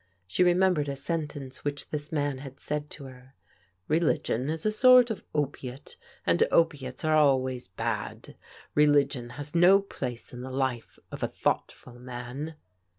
She remembered a sentence which this man had said to her: " Religion is a sort of opiate and opiates are always bad. Religion has no place in the life of a thoughtful man.'